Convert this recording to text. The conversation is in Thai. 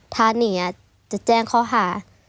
ถ้าหนีจะแจ้งข้อหา